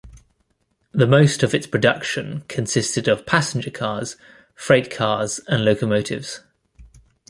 The most of its production consisted of passenger cars, freight cars and locomotives.